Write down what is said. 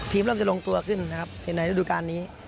ทีมเริ่มจะลงตัวขึ้นในฤดูการณ์นี้